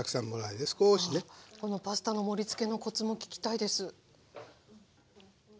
パスタの盛りつけのコツも聞きたいです。